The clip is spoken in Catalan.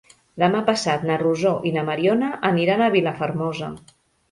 Demà passat na Rosó i na Mariona aniran a Vilafermosa.